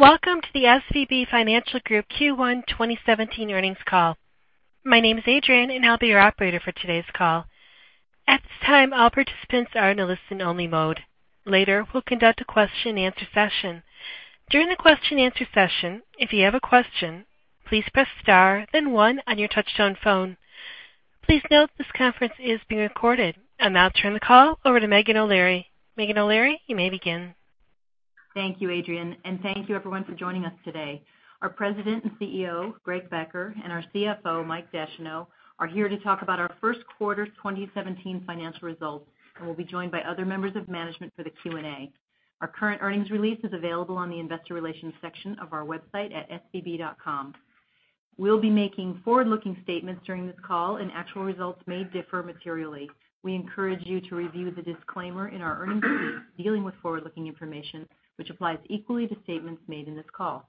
Welcome to the SVB Financial Group Q1 2017 earnings call. My name is Adrian, and I'll be your operator for today's call. At this time, all participants are in a listen-only mode. Later, we'll conduct a question and answer session. During the question and answer session, if you have a question, please press star, then one on your touch-tone phone. Please note this conference is being recorded. I'll now turn the call over to Meghan O'Leary. Meghan O'Leary, you may begin. Thank you, Adrian, and thank you everyone for joining us today. Our President and CEO, Greg Becker, and our CFO, Mike Descheneaux, are here to talk about our first quarter 2017 financial results, and we'll be joined by other members of management for the Q&A. Our current earnings release is available on the investor relations section of our website at svb.com. We'll be making forward-looking statements during this call, and actual results may differ materially. We encourage you to review the disclaimer in our earnings release dealing with forward-looking information, which applies equally to statements made in this call.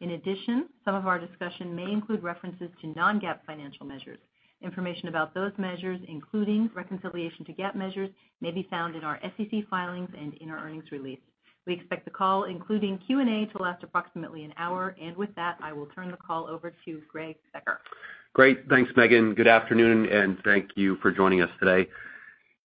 In addition, some of our discussion may include references to non-GAAP financial measures. Information about those measures, including reconciliation to GAAP measures, may be found in our SEC filings and in our earnings release. We expect the call, including Q&A, to last approximately an hour, and with that, I will turn the call over to Greg Becker. Great. Thanks, Meghan. Good afternoon, and thank you for joining us today.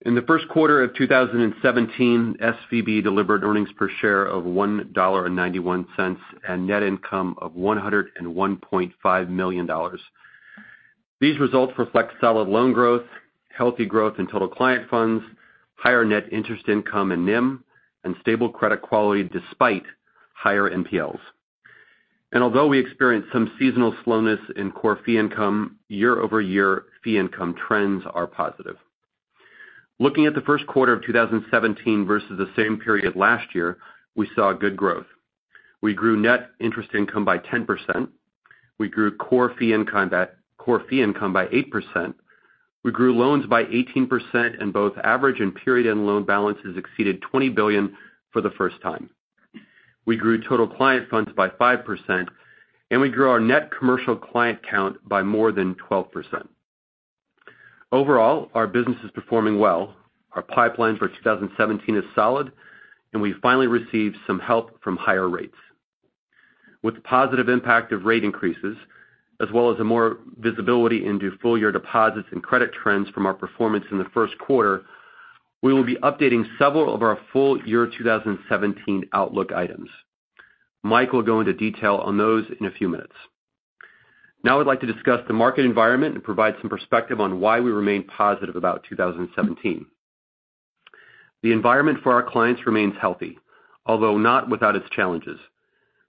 In the first quarter of 2017, SVB delivered earnings per share of $1.91 and net income of $101.5 million. These results reflect solid loan growth, healthy growth in total client funds, higher net interest income and NIM, and stable credit quality despite higher NPLs. Although we experienced some seasonal slowness in core fee income, year-over-year fee income trends are positive. Looking at the first quarter of 2017 versus the same period last year, we saw good growth. We grew net interest income by 10%. We grew core fee income by 8%. We grew loans by 18%, and both average and period-end loan balances exceeded $20 billion for the first time. We grew total client funds by 5%, and we grew our net commercial client count by more than 12%. Overall, our business is performing well. Our pipelines for 2017 is solid. We finally received some help from higher rates. With the positive impact of rate increases, as well as more visibility into full-year deposits and credit trends from our performance in the first quarter, we will be updating several of our full year 2017 outlook items. Mike will go into detail on those in a few minutes. I'd like to discuss the market environment and provide some perspective on why we remain positive about 2017. The environment for our clients remains healthy, although not without its challenges.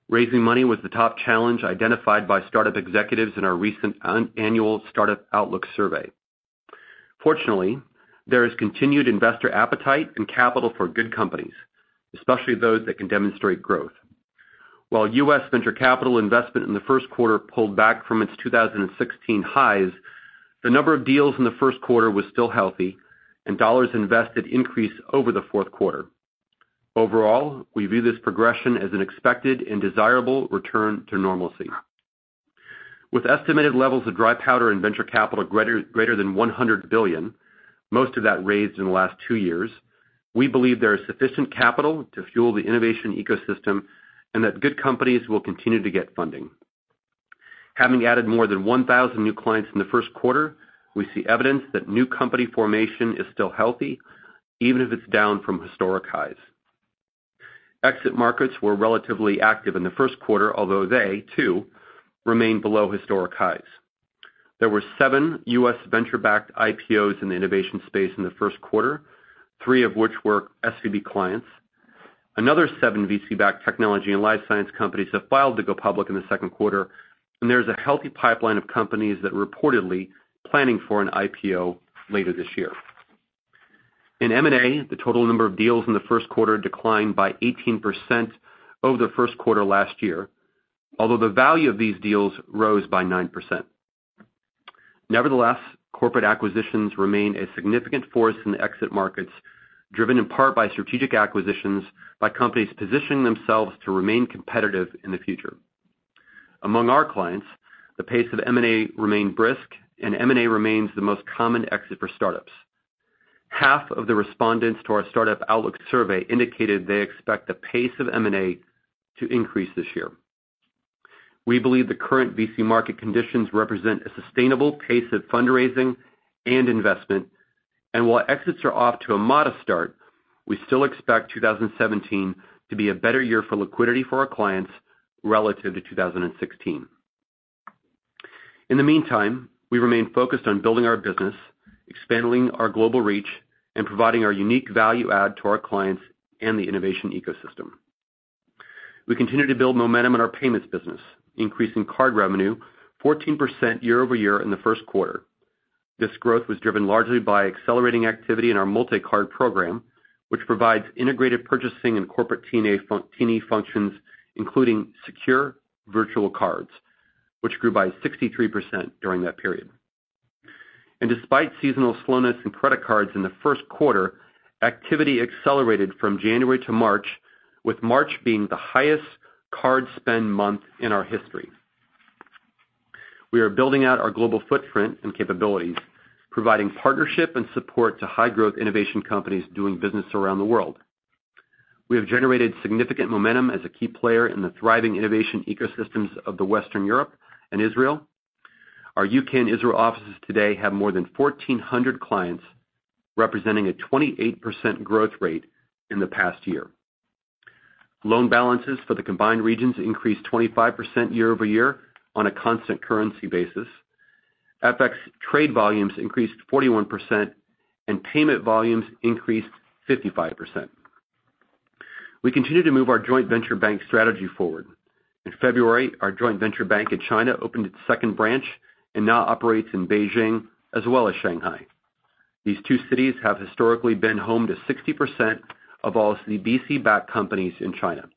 Raising money was the top challenge identified by startup executives in our recent annual Startup Outlook survey. Fortunately, there is continued investor appetite and capital for good companies, especially those that can demonstrate growth. While U.S. venture capital investment in the first quarter pulled back from its 2016 highs, the number of deals in the first quarter was still healthy. Dollars invested increased over the fourth quarter. Overall, we view this progression as an expected and desirable return to normalcy. With estimated levels of dry powder and venture capital greater than $100 billion, most of that raised in the last two years, we believe there is sufficient capital to fuel the innovation ecosystem and that good companies will continue to get funding. Having added more than 1,000 new clients in the first quarter, we see evidence that new company formation is still healthy, even if it's down from historic highs. Exit markets were relatively active in the first quarter, although they, too, remain below historic highs. There were seven U.S. venture-backed IPOs in the innovation space in the first quarter, three of which were SVB clients. Another seven VC-backed technology and life science companies have filed to go public in the second quarter. There's a healthy pipeline of companies that reportedly planning for an IPO later this year. In M&A, the total number of deals in the first quarter declined by 18% over the first quarter last year, although the value of these deals rose by 9%. Nevertheless, corporate acquisitions remain a significant force in the exit markets, driven in part by strategic acquisitions by companies positioning themselves to remain competitive in the future. Among our clients, the pace of M&A remained brisk. M&A remains the most common exit for startups. Half of the respondents to our Startup Outlook Survey indicated they expect the pace of M&A to increase this year. We believe the current VC market conditions represent a sustainable pace of fundraising and investment. While exits are off to a modest start, we still expect 2017 to be a better year for liquidity for our clients relative to 2016. In the meantime, we remain focused on building our business, expanding our global reach, and providing our unique value add to our clients and the innovation ecosystem. We continue to build momentum in our payments business, increasing card revenue 14% year-over-year in the first quarter. This growth was driven largely by accelerating activity in our multi-card program, which provides integrated purchasing and corporate T&E functions, including secure virtual cards, which grew by 63% during that period. Despite seasonal slowness in credit cards in the first quarter, activity accelerated from January to March, with March being the highest card spend month in our history. We are building out our global footprint and capabilities, providing partnership and support to high-growth innovation companies doing business around the world. We have generated significant momentum as a key player in the thriving innovation ecosystems of Western Europe and Israel. Our U.K. and Israel offices today have more than 1,400 clients, representing a 28% growth rate in the past year. Loan balances for the combined regions increased 25% year-over-year on a constant currency basis. FX trade volumes increased 41%, and payment volumes increased 55%. We continue to move our joint venture bank strategy forward. In February, our joint venture bank in China opened its second branch and now operates in Beijing as well as Shanghai. These two cities have historically been home to 60% of all VC-backed companies in China.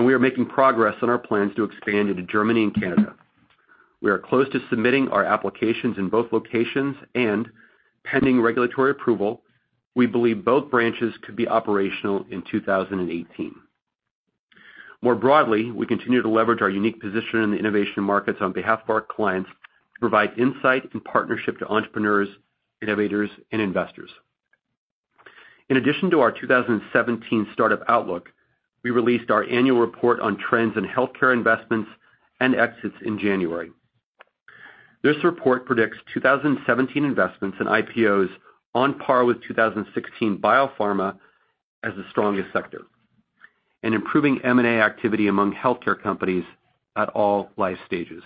We are making progress on our plans to expand into Germany and Canada. We are close to submitting our applications in both locations, pending regulatory approval, we believe both branches could be operational in 2018. More broadly, we continue to leverage our unique position in the innovation markets on behalf of our clients to provide insight and partnership to entrepreneurs, innovators, and investors. In addition to our 2017 Startup Outlook, we released our annual report on trends in healthcare investments and exits in January. This report predicts 2017 investments and IPOs on par with 2016 biopharma as the strongest sector and improving M&A activity among healthcare companies at all life stages.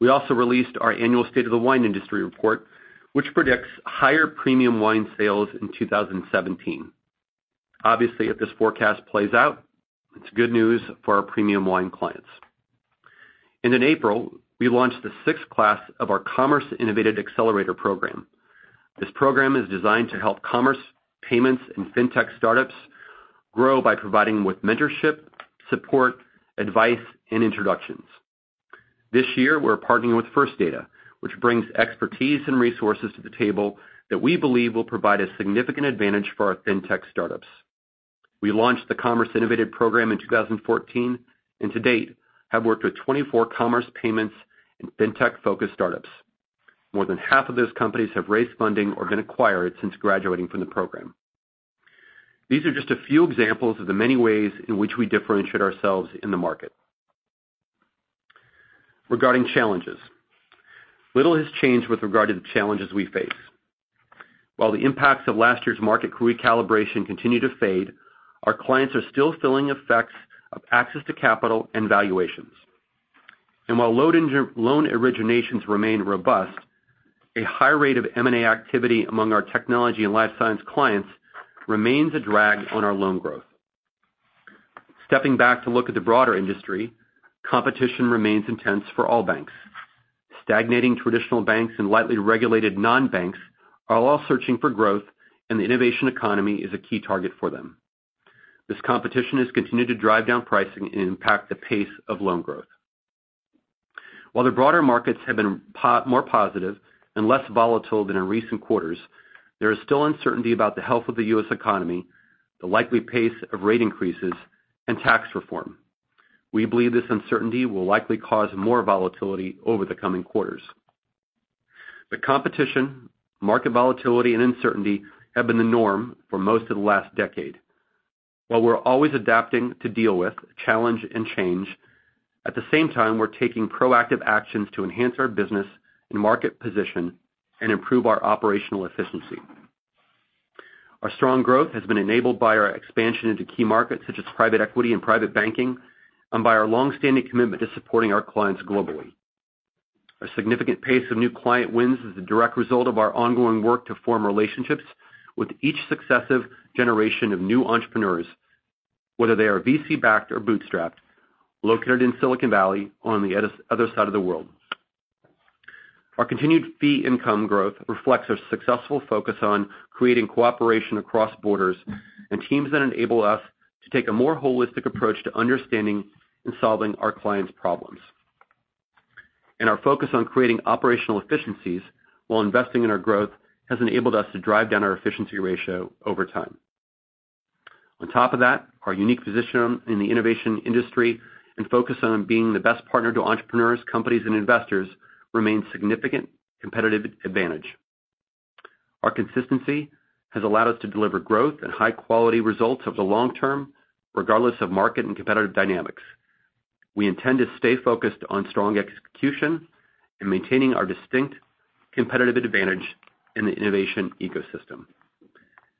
We also released our annual State of the US Wine Industry Report, which predicts higher premium wine sales in 2017. Obviously, if this forecast plays out, it's good news for our premium wine clients. In April, we launched the sixth class of our Commerce.Innovated. Accelerator program. This program is designed to help commerce, payments, and fintech startups grow by providing with mentorship, support, advice, and introductions. This year, we're partnering with First Data, which brings expertise and resources to the table that we believe will provide a significant advantage for our fintech startups. We launched the Commerce.Innovated. program in 2014 and to date have worked with 24 commerce payments and fintech-focused startups. More than half of those companies have raised funding or been acquired since graduating from the program. These are just a few examples of the many ways in which we differentiate ourselves in the market. Regarding challenges, little has changed with regard to the challenges we face. While the impacts of last year's market recalibration continue to fade, our clients are still feeling effects of access to capital and valuations. While loan originations remain robust, a high rate of M&A activity among our technology and life science clients remains a drag on our loan growth. Stepping back to look at the broader industry, competition remains intense for all banks. Stagnating traditional banks and lightly regulated non-banks are all searching for growth, and the innovation economy is a key target for them. This competition has continued to drive down pricing and impact the pace of loan growth. While the broader markets have been more positive and less volatile than in recent quarters, there is still uncertainty about the health of the U.S. economy, the likely pace of rate increases, and tax reform. We believe this uncertainty will likely cause more volatility over the coming quarters. Competition, market volatility, and uncertainty have been the norm for most of the last decade. While we're always adapting to deal with challenge and change, at the same time, we're taking proactive actions to enhance our business and market position and improve our operational efficiency. Our strong growth has been enabled by our expansion into key markets such as private equity and private banking and by our long-standing commitment to supporting our clients globally. Our significant pace of new client wins is a direct result of our ongoing work to form relationships with each successive generation of new entrepreneurs, whether they are VC-backed or bootstrapped, located in Silicon Valley or on the other side of the world. Our continued fee income growth reflects our successful focus on creating cooperation across borders and teams that enable us to take a more holistic approach to understanding and solving our clients' problems. Our focus on creating operational efficiencies while investing in our growth has enabled us to drive down our efficiency ratio over time. On top of that, our unique position in the innovation industry and focus on being the best partner to entrepreneurs, companies, and investors remains significant competitive advantage. Our consistency has allowed us to deliver growth and high-quality results over the long term, regardless of market and competitive dynamics. We intend to stay focused on strong execution and maintaining our distinct competitive advantage in the innovation ecosystem.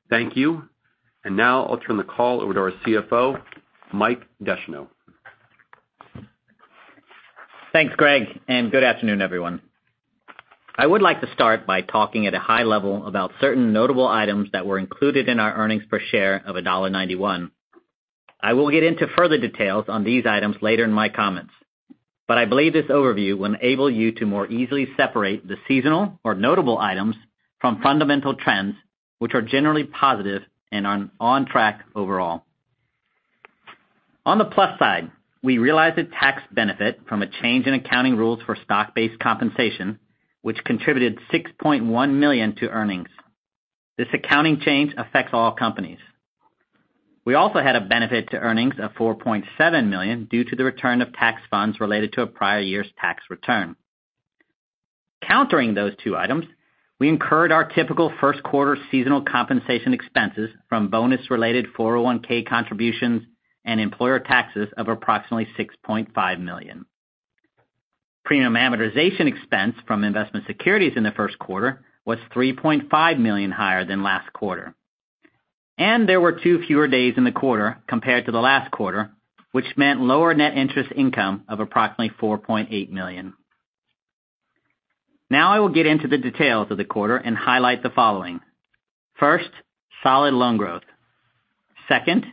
Thank you. Now I'll turn the call over to our CFO, Mike Descheneaux. Thanks, Greg, and good afternoon, everyone. I would like to start by talking at a high level about certain notable items that were included in our earnings per share of $1.91. I will get into further details on these items later in my comments, but I believe this overview will enable you to more easily separate the seasonal or notable items from fundamental trends, which are generally positive and are on track overall. On the plus side, we realized a tax benefit from a change in accounting rules for stock-based compensation, which contributed $6.1 million to earnings. This accounting change affects all companies. We also had a benefit to earnings of $4.7 million due to the return of tax funds related to a prior year's tax return. Countering those two items, we incurred our typical first quarter seasonal compensation expenses from bonus-related 401 contributions and employer taxes of approximately $6.5 million. Premium amortization expense from investment securities in the first quarter was $3.5 million higher than last quarter. There were two fewer days in the quarter compared to the last quarter, which meant lower net interest income of approximately $4.8 million. Now I will get into the details of the quarter and highlight the following. First, solid loan growth. Second,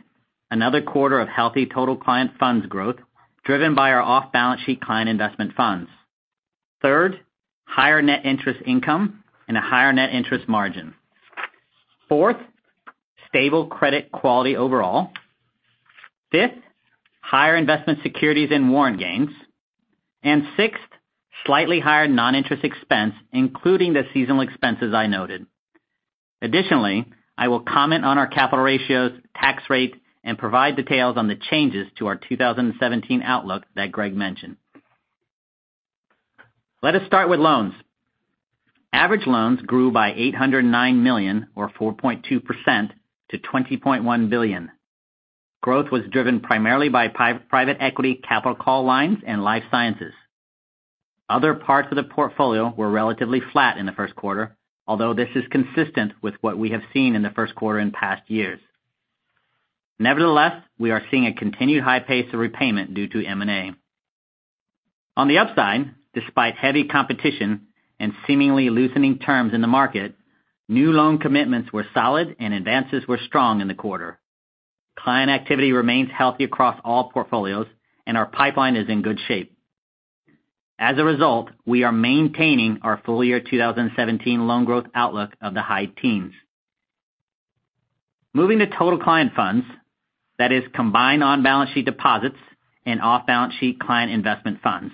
another quarter of healthy total client funds growth driven by our off-balance sheet client investment funds. Third, higher net interest income and a higher net interest margin. Fourth, stable credit quality overall. Fifth, higher investment securities and warrant gains. Sixth, slightly higher non-interest expense, including the seasonal expenses I noted. Additionally, I will comment on our capital ratios, tax rate, and provide details on the changes to our 2017 outlook that Greg mentioned. Let us start with loans. Average loans grew by $809 million, or 4.2%, to $20.1 billion. Growth was driven primarily by private equity capital call lines and life sciences. Other parts of the portfolio were relatively flat in the first quarter, although this is consistent with what we have seen in the first quarter in past years. Nevertheless, we are seeing a continued high pace of repayment due to M&A. On the upside, despite heavy competition and seemingly loosening terms in the market, new loan commitments were solid and advances were strong in the quarter. Client activity remains healthy across all portfolios and our pipeline is in good shape. As a result, we are maintaining our full-year 2017 loan growth outlook of the high teens. Moving to total client funds, that is combined on-balance-sheet deposits and off-balance-sheet client investment funds.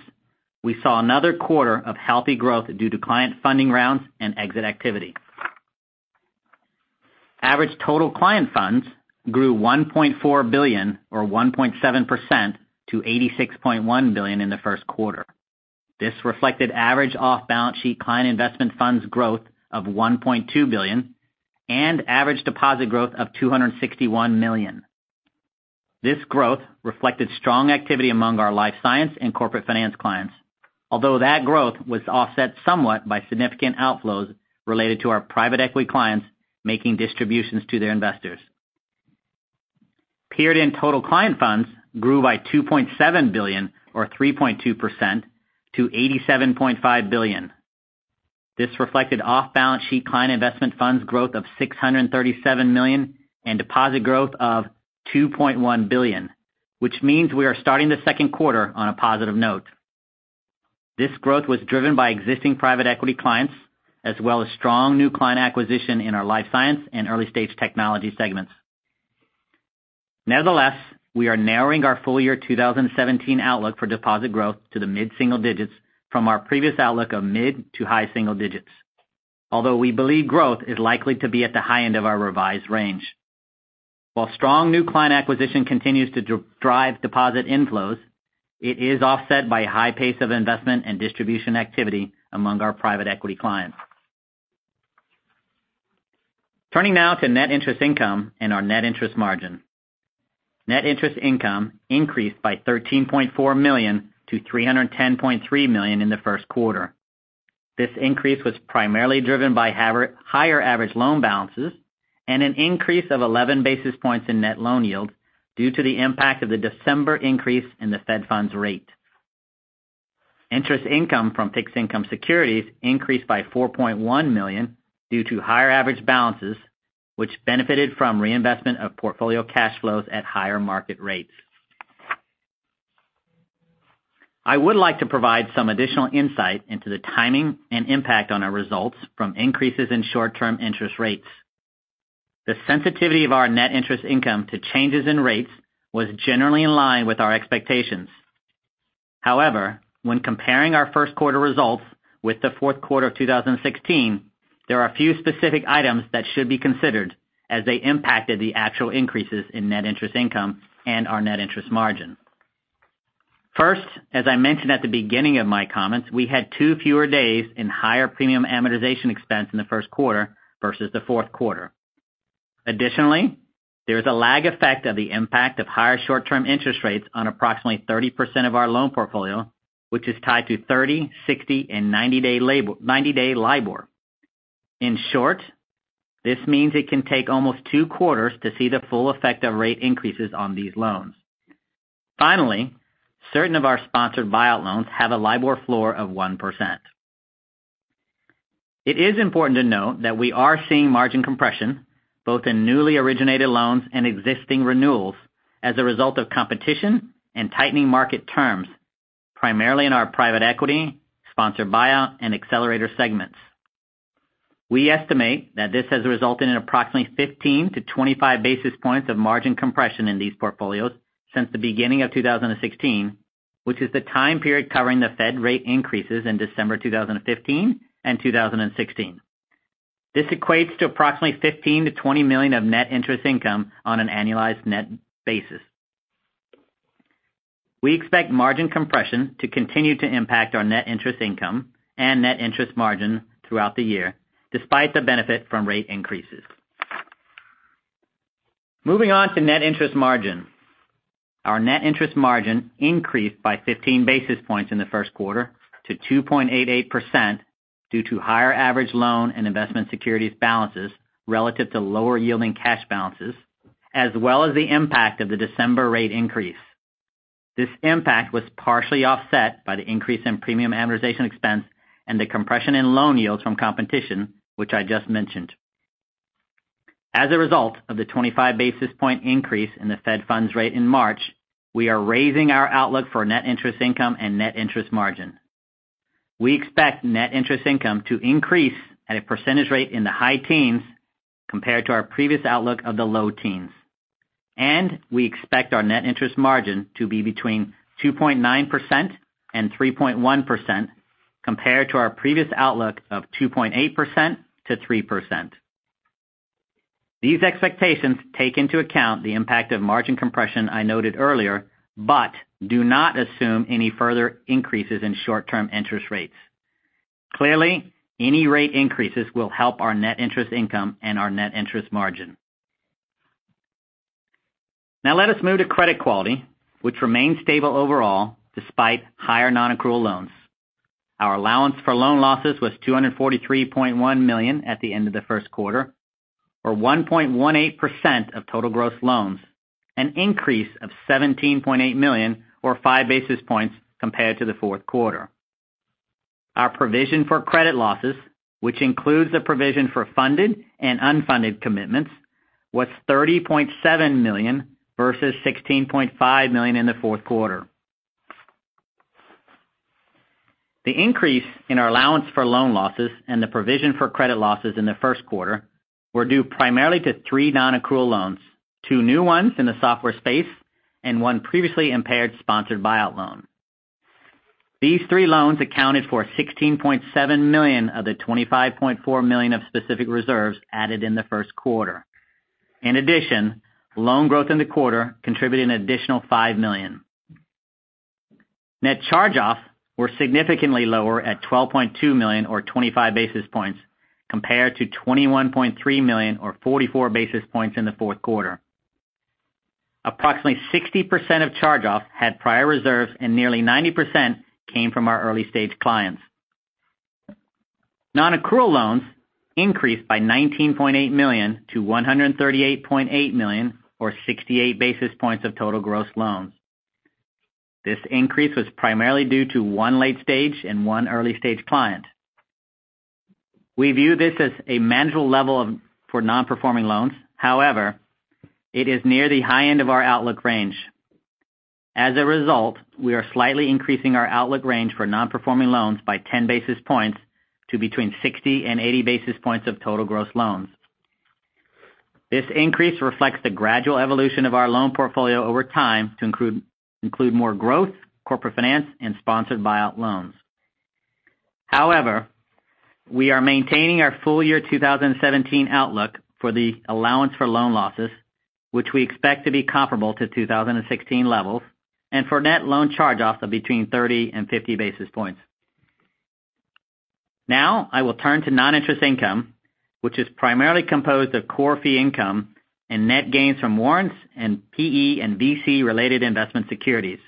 We saw another quarter of healthy growth due to client funding rounds and exit activity. Average total client funds grew $1.4 billion or 1.7% to $86.1 billion in the first quarter. This reflected average off-balance-sheet client investment funds growth of $1.2 billion and average deposit growth of $261 million. This growth reflected strong activity among our life science and corporate finance clients, although that growth was offset somewhat by significant outflows related to our private equity clients making distributions to their investors. Period-end total client funds grew by $2.7 billion or 3.2% to $87.5 billion. This reflected off-balance-sheet client investment funds growth of $637 million and deposit growth of $2.1 billion, which means we are starting the second quarter on a positive note. This growth was driven by existing private equity clients, as well as strong new client acquisition in our life science and early stage technology segments. Nevertheless, we are narrowing our full-year 2017 outlook for deposit growth to the mid-single digits from our previous outlook of mid to high single digits. Although we believe growth is likely to be at the high end of our revised range. While strong new client acquisition continues to drive deposit inflows, it is offset by a high pace of investment and distribution activity among our private equity clients. Turning now to net interest income and our net interest margin. Net interest income increased by $13.4 million to $310.3 million in the first quarter. This increase was primarily driven by higher average loan balances and an increase of 11 basis points in net loan yield due to the impact of the December increase in the Fed funds rate. Interest income from fixed income securities increased by $4.1 million due to higher average balances, which benefited from reinvestment of portfolio cash flows at higher market rates. I would like to provide some additional insight into the timing and impact on our results from increases in short-term interest rates. The sensitivity of our net interest income to changes in rates was generally in line with our expectations. However, when comparing our first quarter results with the fourth quarter of 2016, there are a few specific items that should be considered as they impacted the actual increases in net interest income and our net interest margin. First, as I mentioned at the beginning of my comments, we had 2 fewer days in higher premium amortization expense in the Q1 versus the Q4. Additionally, there is a lag effect of the impact of higher short-term interest rates on approximately 30% of our loan portfolio, which is tied to 30-, 60-, and 90-day LIBOR. In short, this means it can take almost 2 quarters to see the full effect of rate increases on these loans. Finally, certain of our sponsored buyout loans have a LIBOR floor of 1%. It is important to note that we are seeing margin compression both in newly originated loans and existing renewals as a result of competition and tightening market terms, primarily in our private equity, sponsored buyout, and accelerator segments. We estimate that this has resulted in approximately 15-25 basis points of margin compression in these portfolios since the beginning of 2016, which is the time period covering the Fed rate increases in December 2015 and 2016. This equates to approximately $15 million-$20 million of net interest income on an annualized net basis. We expect margin compression to continue to impact our net interest income and net interest margin throughout the year, despite the benefit from rate increases. Moving on to net interest margin. Our net interest margin increased by 15 basis points in the Q1 to 2.88% due to higher average loan and investment securities balances relative to lower yielding cash balances, as well as the impact of the December rate increase. This impact was partially offset by the increase in premium amortization expense and the compression in loan yields from competition, which I just mentioned. As a result of the 25 basis point increase in the Fed funds rate in March, we are raising our outlook for net interest income and net interest margin. We expect net interest income to increase at a percentage rate in the high teens compared to our previous outlook of the low teens. We expect our net interest margin to be between 2.9% and 3.1%, compared to our previous outlook of 2.8%-3%. These expectations take into account the impact of margin compression I noted earlier, do not assume any further increases in short-term interest rates. Clearly, any rate increases will help our net interest income and our net interest margin. Let us move to credit quality, which remains stable overall despite higher non-accrual loans. Our allowance for loan losses was $243.1 million at the end of the Q1, or 1.18% of total gross loans, an increase of $17.8 million or 5 basis points compared to the Q4. Our provision for credit losses, which includes the provision for funded and unfunded commitments, was $30.7 million versus $16.5 million in the Q4. The increase in our allowance for loan losses and the provision for credit losses in the Q1 were due primarily to 3 non-accrual loans, 2 new ones in the software space, and 1 previously impaired sponsored buyout loan. These 3 loans accounted for $16.7 million of the $25.4 million of specific reserves added in the Q1. In addition, loan growth in the quarter contributed an additional $5 million. Net charge-offs were significantly lower at $12.2 million or 25 basis points compared to $21.3 million or 44 basis points in the fourth quarter. Approximately 60% of charge-offs had prior reserves, and nearly 90% came from our early-stage clients. Non-accrual loans increased by $19.8 million to $138.8 million or 68 basis points of total gross loans. This increase was primarily due to one late stage and one early stage client. We view this as a manageable level for non-performing loans. It is near the high end of our outlook range. We are slightly increasing our outlook range for non-performing loans by 10 basis points to between 60 and 80 basis points of total gross loans. This increase reflects the gradual evolution of our loan portfolio over time to include more growth, corporate finance, and sponsored buyout loans. We are maintaining our full year 2017 outlook for the allowance for loan losses, which we expect to be comparable to 2016 levels, and for net loan charge-offs of between 30 and 50 basis points. I will turn to non-interest income, which is primarily composed of core fee income and net gains from warrants and PE and VC-related investment securities.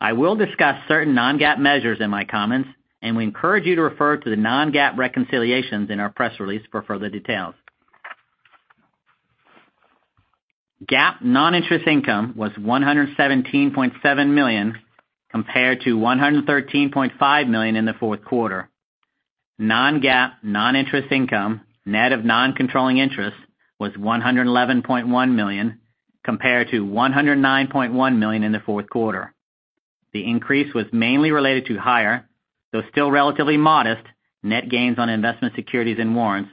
I will discuss certain non-GAAP measures in my comments. We encourage you to refer to the non-GAAP reconciliations in our press release for further details. GAAP non-interest income was $117.7 million compared to $113.5 million in the fourth quarter. Non-GAAP non-interest income, net of non-controlling interest, was $111.1 million compared to $109.1 million in the fourth quarter. The increase was mainly related to higher, though still relatively modest, net gains on investment securities and warrants,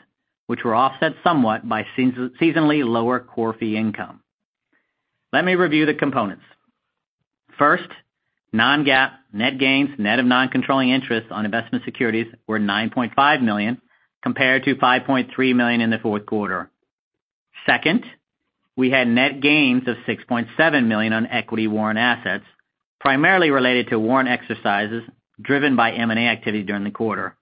which were offset somewhat by seasonally lower core fee income. Let me review the components. First, non-GAAP net gains, net of non-controlling interests on investment securities were $9.5 million compared to $5.3 million in the fourth quarter. Second, we had net gains of $6.7 million on equity warrant assets, primarily related to warrant exercises driven by M&A activity during the quarter.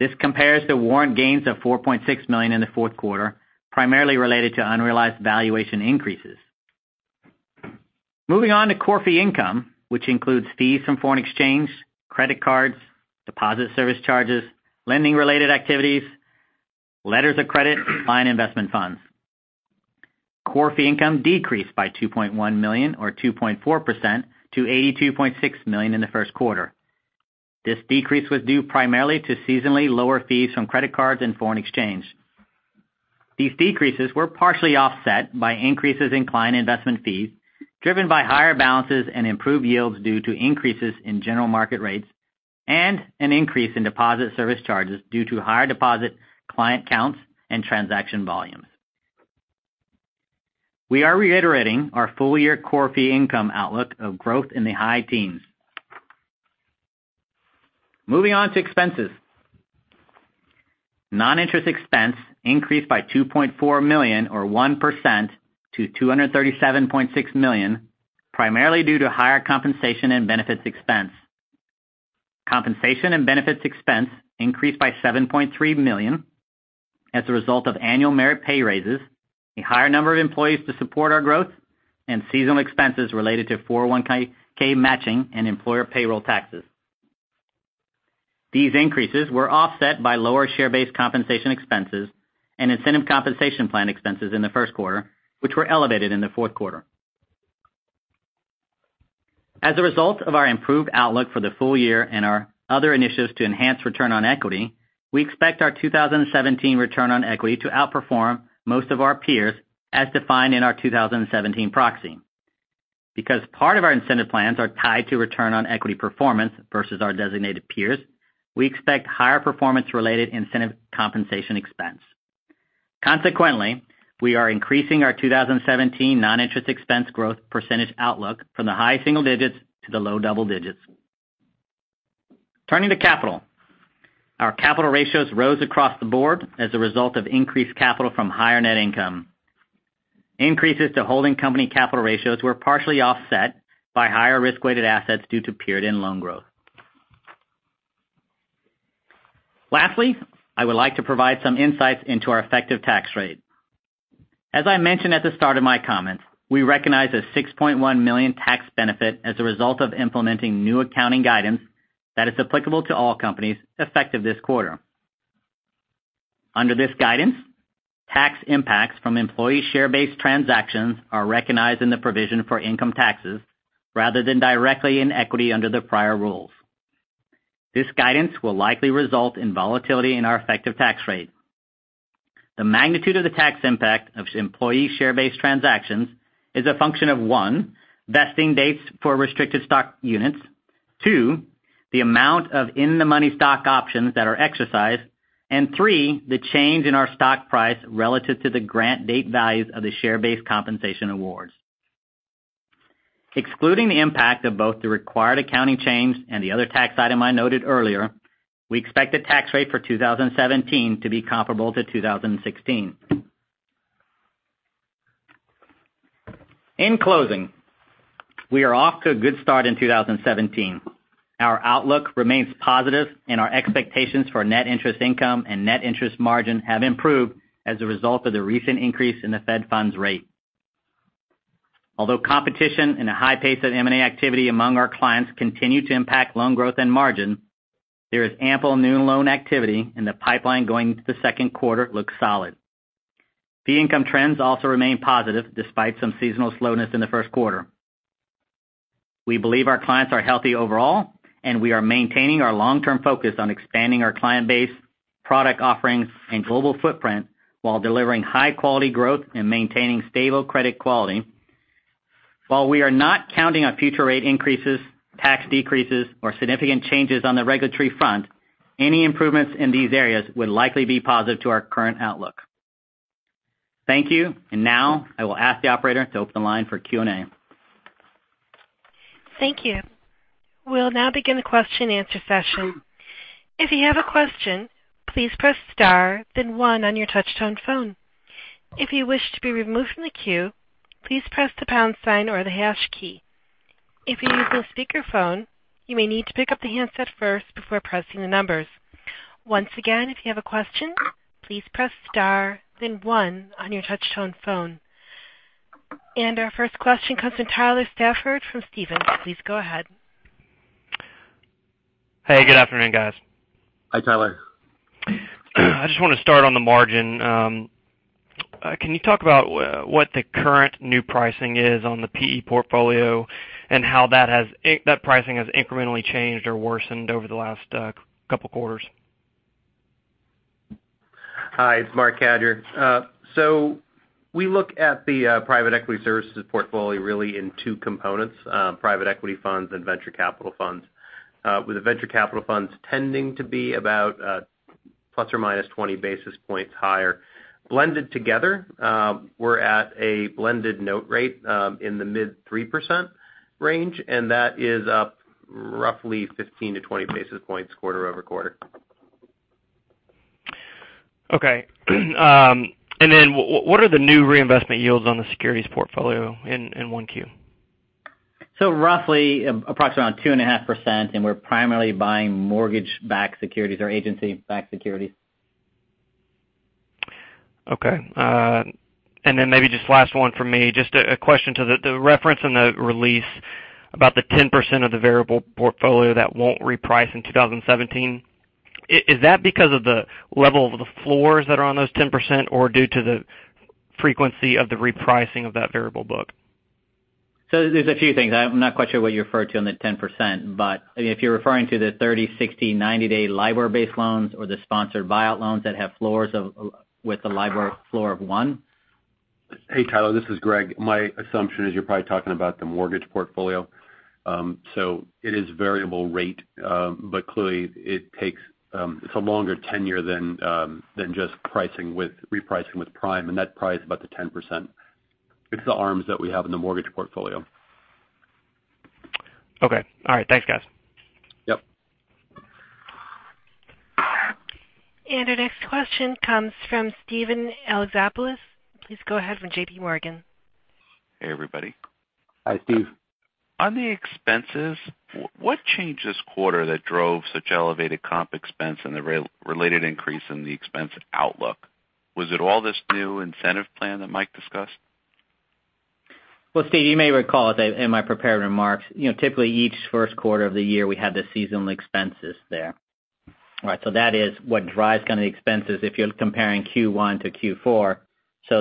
This compares to warrant gains of $4.6 million in the fourth quarter, primarily related to unrealized valuation increases. Moving on to core fee income, which includes fees from foreign exchange, credit cards, deposit service charges, lending-related activities, letters of credit, and client investment funds. Core fee income decreased by $2.1 million or 2.4% to $82.6 million in the first quarter. This decrease was due primarily to seasonally lower fees from credit cards and foreign exchange. These decreases were partially offset by increases in client investment fees driven by higher balances and improved yields due to increases in general market rates and an increase in deposit service charges due to higher deposit client counts and transaction volumes. We are reiterating our full-year core fee income outlook of growth in the high teens. Moving on to expenses. Non-interest expense increased by $2.4 million or 1% to $237.6 million, primarily due to higher compensation and benefits expense. Compensation and benefits expense increased by $7.3 million as a result of annual merit pay raises, a higher number of employees to support our growth, and seasonal expenses related to 401 matching and employer payroll taxes. These increases were offset by lower share-based compensation expenses and incentive compensation plan expenses in the first quarter, which were elevated in the fourth quarter. As a result of our improved outlook for the full year and our other initiatives to enhance return on equity, we expect our 2017 return on equity to outperform most of our peers, as defined in our 2017 proxy. Because part of our incentive plans are tied to return on equity performance versus our designated peers, we expect higher performance related incentive compensation expense. Consequently, we are increasing our 2017 non-interest expense growth percentage outlook from the high single digits to the low double digits. Turning to capital. Our capital ratios rose across the board as a result of increased capital from higher net income. Increases to holding company capital ratios were partially offset by higher risk-weighted assets due to period and loan growth. Lastly, I would like to provide some insights into our effective tax rate. As I mentioned at the start of my comments, we recognized a $6.1 million tax benefit as a result of implementing new accounting guidance that is applicable to all companies effective this quarter. Under this guidance, tax impacts from employee share-based transactions are recognized in the provision for income taxes rather than directly in equity under the prior rules. This guidance will likely result in volatility in our effective tax rate. The magnitude of the tax impact of employee share-based transactions is a function of, one, vesting dates for restricted stock units; two, the amount of in-the-money stock options that are exercised; and three, the change in our stock price relative to the grant date values of the share-based compensation awards. Excluding the impact of both the required accounting change and the other tax item I noted earlier, we expect the tax rate for 2017 to be comparable to 2016. In closing, we are off to a good start in 2017. Our outlook remains positive and our expectations for net interest income and net interest margin have improved as a result of the recent increase in the Fed funds rate. Although competition and a high pace of M&A activity among our clients continue to impact loan growth and margin, there is ample new loan activity in the pipeline going into the second quarter looks solid. Fee income trends also remain positive despite some seasonal slowness in the first quarter. We believe our clients are healthy overall, and we are maintaining our long-term focus on expanding our client base, product offerings, and global footprint while delivering high-quality growth and maintaining stable credit quality. While we are not counting on future rate increases, tax decreases, or significant changes on the regulatory front, any improvements in these areas would likely be positive to our current outlook. Thank you. Now I will ask the operator to open the line for Q&A. Thank you. We'll now begin the question and answer session. If you have a question, please press star, then one on your touchtone phone. If you wish to be removed from the queue, please press the pound sign or the hash key. If you're using a speakerphone, you may need to pick up the handset first before pressing the numbers. Once again, if you have a question, please press star then one on your touchtone phone. Our first question comes from Tyler Stafford from Stephens. Please go ahead. Hey, good afternoon, guys. Hi, Tyler. I just want to start on the margin. Can you talk about what the current new pricing is on the PE portfolio and how that pricing has incrementally changed or worsened over the last couple quarters? Hi, it's Marc Cadieux. We look at the private equity services portfolio really in 2 components, private equity funds and venture capital funds, with the venture capital funds tending to be about ±20 basis points higher. Blended together, we're at a blended note rate in the mid 3% range, and that is up roughly 15-20 basis points quarter-over-quarter. Okay. What are the new reinvestment yields on the securities portfolio in 1Q? Approximately 2.5%, and we're primarily buying mortgage-backed securities or agency-backed securities. Okay. Maybe just last one from me, just a question to the reference in the release about the 10% of the variable portfolio that won't reprice in 2017. Is that because of the level of the floors that are on those 10% or due to the frequency of the repricing of that variable book? There's a few things. I'm not quite sure what you refer to on the 10%, but if you're referring to the 30, 60, 90-day LIBOR-based loans or the sponsored buyout loans that have the LIBOR floor of 1. Hey, Tyler, this is Greg. My assumption is you're probably talking about the mortgage portfolio. It is variable rate, but clearly it takes a longer tenure than just repricing with prime, and that price is about the 10%. It's the ARMs that we have in the mortgage portfolio. Okay. All right. Thanks, guys. Yep. Our next question comes from Steven Alexopoulos. Please go ahead from JPMorgan. Hey, everybody. Hi, Steve. On the expenses, what changed this quarter that drove such elevated comp expense and the related increase in the expense outlook? Was it all this new incentive plan that Mike discussed? Well, Steve, you may recall in my prepared remarks, typically each first quarter of the year, we have the seasonal expenses there. All right. That is what drives kind of the expenses if you're comparing Q1 to Q4.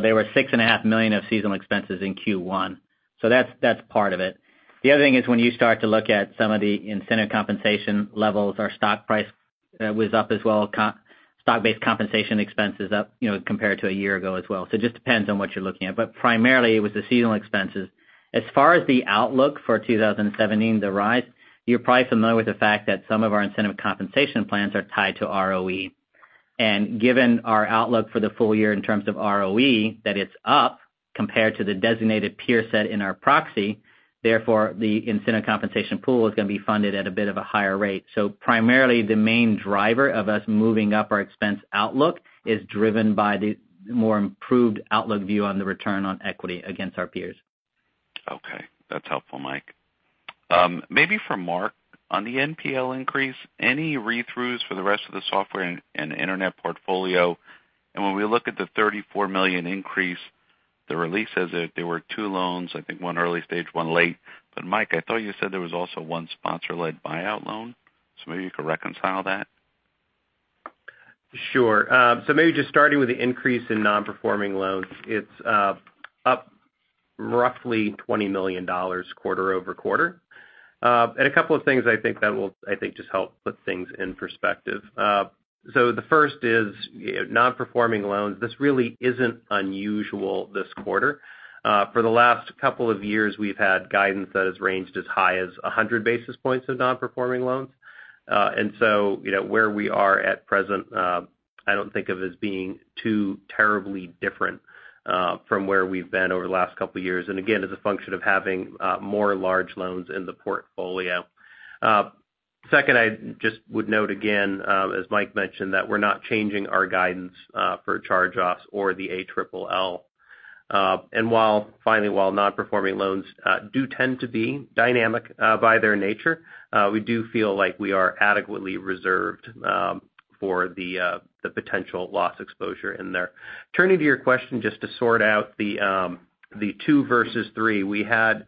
There were $6.5 million of seasonal expenses in Q1. That's part of it. The other thing is when you start to look at some of the incentive compensation levels, our stock price was up as well. Stock-based compensation expense is up compared to a year ago as well. Primarily it was the seasonal expenses. As far as the outlook for 2017, the rise, you're probably familiar with the fact that some of our incentive compensation plans are tied to ROE. Given our outlook for the full year in terms of ROE, that it's up compared to the designated peer set in our proxy, therefore the incentive compensation pool is going to be funded at a bit of a higher rate. Primarily the main driver of us moving up our expense outlook is driven by the more improved outlook view on the return on equity against our peers. Okay. That's helpful, Mike. Maybe for Marc, on the NPL increase, any read-throughs for the rest of the software and internet portfolio? When we look at the $34 million increase, the release says that there were two loans, I think one early stage, one late, but Mike, I thought you said there was also one sponsor-led buyout loan? Maybe you could reconcile that. Sure. Maybe just starting with the increase in non-performing loans. It's up roughly $20 million quarter-over-quarter. A couple of things I think just help put things in perspective. The first is non-performing loans. This really isn't unusual this quarter. For the last couple of years, we've had guidance that has ranged as high as 100 basis points of non-performing loans. Where we are at present I don't think of as being too terribly different from where we've been over the last couple of years. Again, as a function of having more large loans in the portfolio. Second, I just would note again as Mike mentioned, that we're not changing our guidance for charge-offs or the ALLL. Finally while non-performing loans do tend to be dynamic by their nature, we do feel like we are adequately reserved for the potential loss exposure in there. Turning to your question just to sort out the two versus three. We had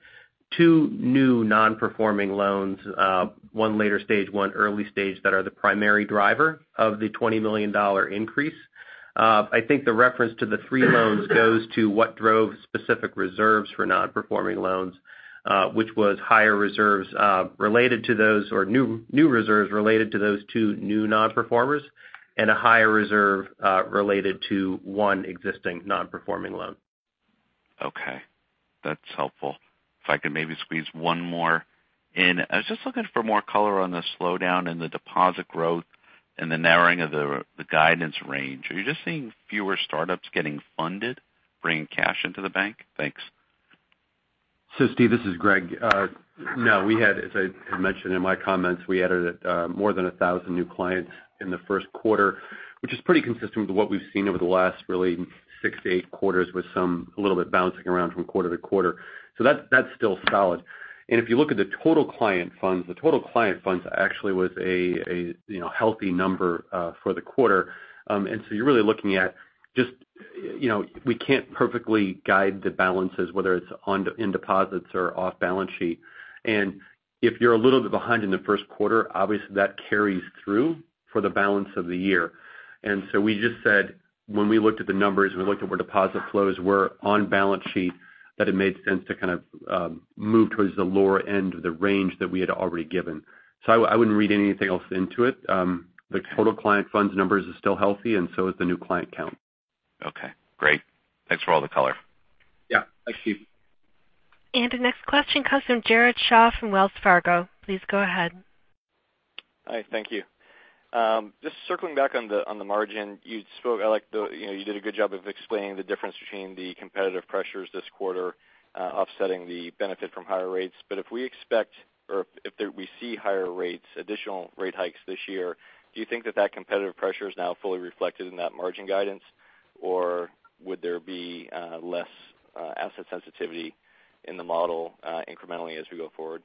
two new non-performing loans one later stage, one early stage, that are the primary driver of the $20 million increase. I think the reference to the three loans goes to what drove specific reserves for non-performing loans which was higher reserves related to those or new reserves related to those two new non-performers and a higher reserve related to one existing non-performing loan. Okay. That's helpful. If I could maybe squeeze one more in. I was just looking for more color on the slowdown in the deposit growth and the narrowing of the guidance range. Are you just seeing fewer startups getting funded, bringing cash into the bank? Thanks. Steve, this is Greg. No, as I mentioned in my comments, we added more than 1,000 new clients in the first quarter, which is pretty consistent with what we've seen over the last really six to eight quarters with some a little bit bouncing around from quarter to quarter. That's still solid. If you look at the total client funds, the total client funds actually was a healthy number for the quarter. You're really looking at just we can't perfectly guide the balances, whether it's in deposits or off balance sheet. If you're a little bit behind in the first quarter, obviously that carries through for the balance of the year. We just said when we looked at the numbers and we looked at where deposit flows were on balance sheet, that it made sense to kind of move towards the lower end of the range that we had already given. I wouldn't read anything else into it. The total client funds numbers are still healthy and so is the new client count. Okay, great. Thanks for all the color. Yeah. Thanks, Steve. The next question comes from Jared Shaw from Wells Fargo. Please go ahead. Hi. Thank you. Just circling back on the margin. You did a good job of explaining the difference between the competitive pressures this quarter offsetting the benefit from higher rates. If we expect or if we see higher rates, additional rate hikes this year, do you think that competitive pressure is now fully reflected in that margin guidance? Or would there be less asset sensitivity in the model incrementally as we go forward?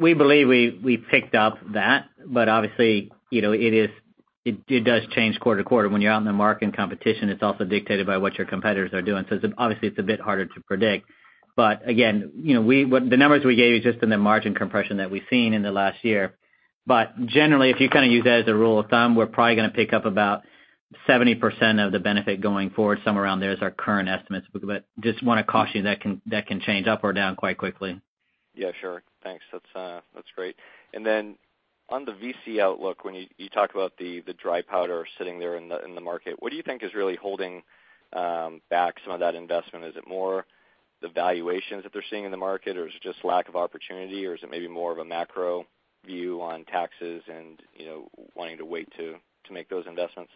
We believe we picked up that, but obviously it does change quarter to quarter. When you're out in the market in competition, it's also dictated by what your competitors are doing. Obviously it's a bit harder to predict. Again the numbers we gave you just in the margin compression that we've seen in the last year. Generally, if you kind of use that as a rule of thumb, we're probably going to pick up about 70% of the benefit going forward. Somewhere around there is our current estimates. Just want to caution you that can change up or down quite quickly. Yeah, sure. Thanks. That's great. On the VC outlook, when you talk about the dry powder sitting there in the market, what do you think is really holding back some of that investment? Is it more the valuations that they're seeing in the market, or is it just lack of opportunity, or is it maybe more of a macro view on taxes and wanting to wait to make those investments?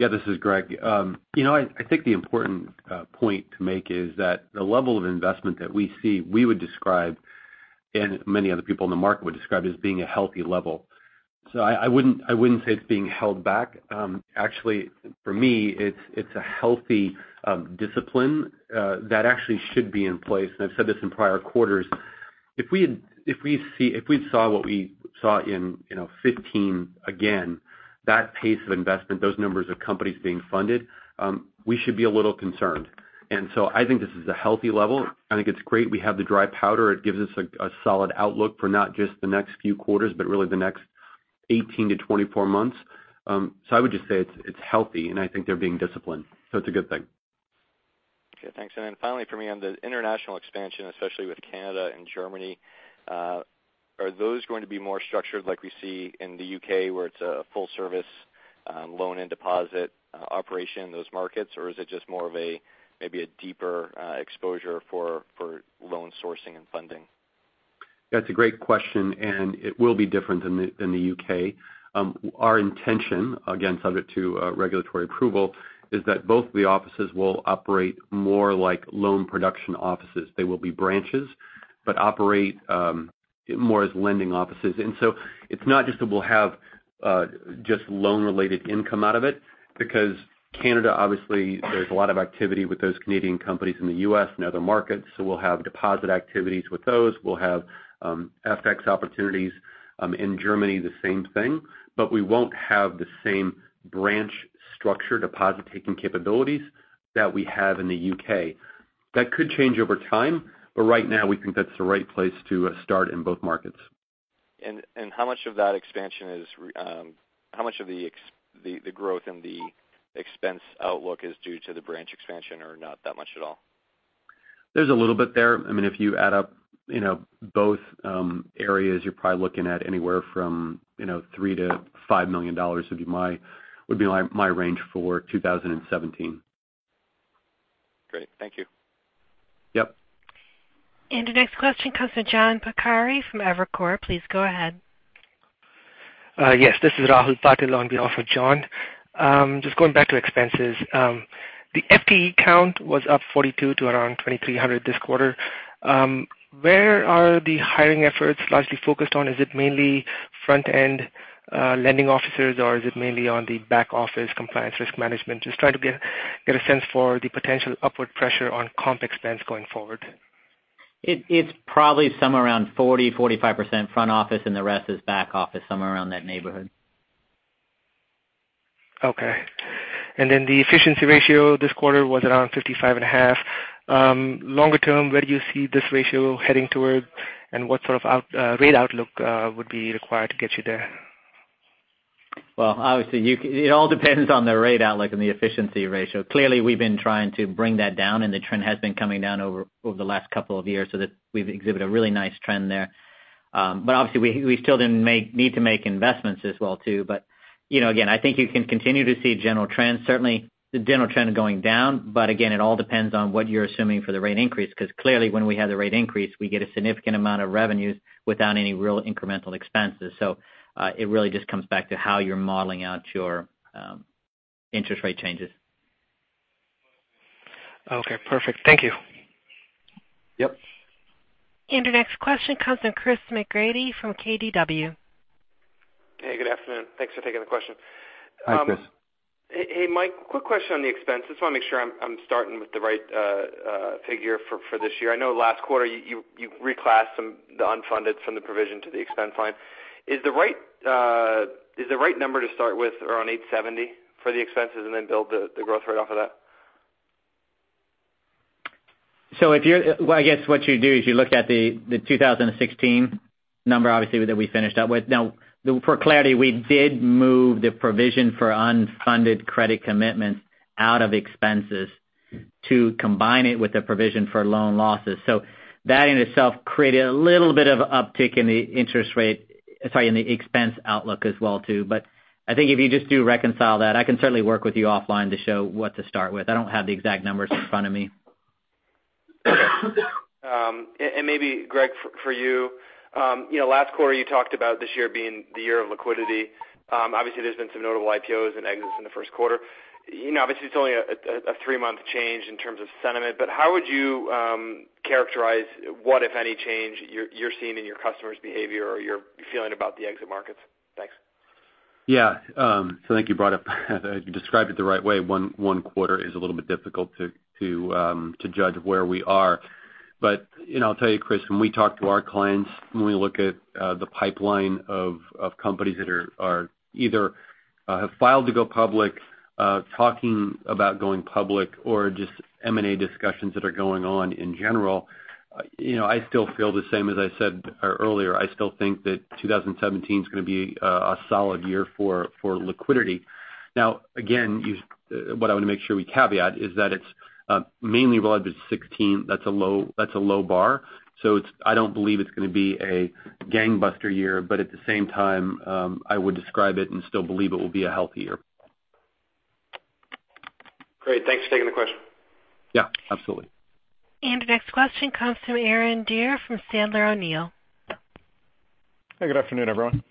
This is Greg. I think the important point to make is that the level of investment that we see, we would describe, and many other people in the market would describe as being a healthy level. I wouldn't say it's being held back. Actually, for me, it's a healthy discipline that actually should be in place, and I've said this in prior quarters. If we saw what we saw in 2015 again, that pace of investment, those numbers of companies being funded, we should be a little concerned. I think this is a healthy level. I think it's great we have the dry powder. It gives us a solid outlook for not just the next few quarters, but really the next 18 to 24 months. I would just say it's healthy, and I think they're being disciplined, so it's a good thing. Okay, thanks. Finally from me on the international expansion, especially with Canada and Germany. Are those going to be more structured like we see in the U.K., where it's a full service loan and deposit operation in those markets? Or is it just more of maybe a deeper exposure for loan sourcing and funding? That's a great question. It will be different than the U.K. Our intention, again, subject to regulatory approval, is that both of the offices will operate more like loan production offices. They will be branches, but operate more as lending offices. It's not just that we'll have just loan-related income out of it, because Canada, obviously, there's a lot of activity with those Canadian companies in the U.S. and other markets, so we'll have deposit activities with those. We'll have FX opportunities. In Germany, the same thing. We won't have the same branch structure deposit-taking capabilities that we have in the U.K. That could change over time, but right now we think that's the right place to start in both markets. How much of the growth in the expense outlook is due to the branch expansion or not that much at all? There's a little bit there. If you add up both areas, you're probably looking at anywhere from three to $5 million would be my range for 2017. Great. Thank you. Yep. The next question comes from John Pancari from Evercore. Please go ahead. Yes, this is Rahul Patil on behalf of John. Just going back to expenses. The FTE count was up 42 to around 2,300 this quarter. Where are the hiring efforts largely focused on? Is it mainly front-end lending officers, or is it mainly on the back office compliance risk management? Just trying to get a sense for the potential upward pressure on comp expense going forward. It's probably somewhere around 40%, 45% front office and the rest is back office, somewhere around that neighborhood. Okay. The efficiency ratio this quarter was around 55 and a half. Longer term, where do you see this ratio heading toward? What sort of rate outlook would be required to get you there? Well, obviously, it all depends on the rate outlook and the efficiency ratio. Clearly, we've been trying to bring that down, and the trend has been coming down over the last couple of years, so that we've exhibited a really nice trend there. Obviously, we still need to make investments as well too. Again, I think you can continue to see general trends, certainly the general trend of going down. Again, it all depends on what you're assuming for the rate increase, because clearly when we have the rate increase, we get a significant amount of revenues without any real incremental expenses. It really just comes back to how you're modeling out your interest rate changes. Okay, perfect. Thank you. Yep. Your next question comes from Christopher McGratty from KBW. Hey, good afternoon. Thanks for taking the question. Hi, Chris. Hey, Mike, quick question on the expense. I just want to make sure I'm starting with the right figure for this year. I know last quarter you reclassed the unfunded from the provision to the expense line. Is the right number to start with around $870 for the expenses and then build the growth rate off of that? I guess what you do is you look at the 2016 number, obviously, that we finished up with. Now, for clarity, we did move the provision for unfunded credit commitments out of expenses to combine it with the provision for loan losses. That in itself created a little bit of uptick in the expense outlook as well too. I think if you just do reconcile that, I can certainly work with you offline to show what to start with. I don't have the exact numbers in front of me. Maybe, Greg, for you. Last quarter you talked about this year being the year of liquidity. Obviously, there's been some notable IPOs and exits in the first quarter. Obviously, it's only a three-month change in terms of sentiment, but how would you characterize what, if any, change you're seeing in your customers' behavior or you're feeling about the exit markets? Thanks. Yeah. I think you described it the right way. One quarter is a little bit difficult to judge where we are. I'll tell you, Chris, when we talk to our clients, when we look at the pipeline of companies that either have filed to go public, talking about going public, or just M&A discussions that are going on in general, I still feel the same as I said earlier. I still think that 2017 is going to be a solid year for liquidity. Now, again, what I want to make sure we caveat is that it's mainly relative to 2016. That's a low bar. I don't believe it's going to be a gangbuster year, but at the same time, I would describe it and still believe it will be a healthy year. Great. Thanks for taking the question. Yeah, absolutely. The next question comes from Aaron Deer from Sandler O'Neill. Hey, good afternoon, everyone.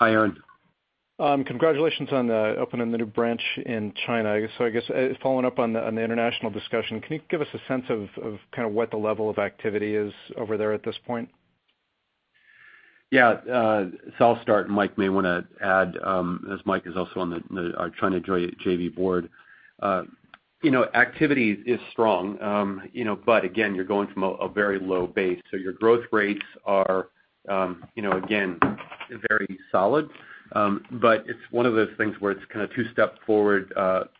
Hi, Aaron. I guess following up on the international discussion, can you give us a sense of what the level of activity is over there at this point? Yeah. I'll start, and Mike may want to add, as Mike is also on the China JV board. Activity is strong. Again, you're going from a very low base, so your growth rates are again, very solid. It's one of those things where it's kind of two step forward,